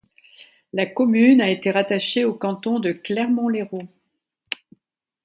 La commune a été rattachée au canton de Clermont-l'Hérault.